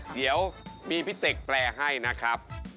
เดี๋ยวมีพี่เต็กแปลให้นะครับ